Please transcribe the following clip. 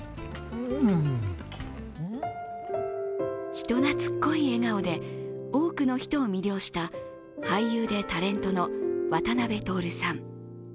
人懐こい笑顔で多くの人を魅了した俳優でタレントの渡辺徹さん。